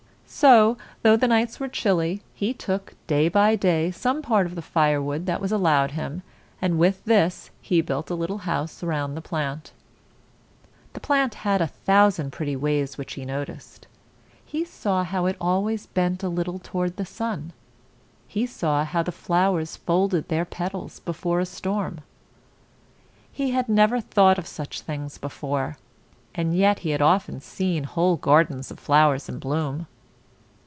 So, though the nights were chilly, he took, day by day, some part of the firewood that was allowed him, and with this he built a little house around the plant. The plant had a thousand pretty ways which he noticed. He saw how it always bent a little toward the sun; he saw how the flowers folded their petals before a storm. He had never thought of such things before, and yet he had often seen whole gardens of flowers in bloom.